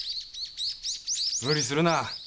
無理するな。